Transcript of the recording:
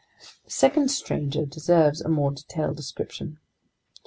The second stranger deserves a more detailed description.